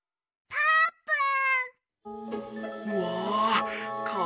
「ぱーぷん」。